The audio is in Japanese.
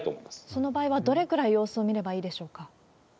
その場合は、どれくらい様子を見ればいいでしょうか？